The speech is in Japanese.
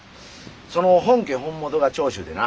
その本家本元が長州でな。